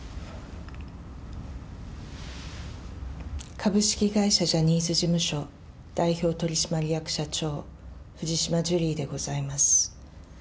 株式会社ジャニーズ事務所、代表取締役社長、藤島ジュリーでございます。